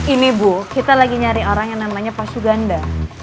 ini bu kita lagi nyari orang yang namanya pasuganda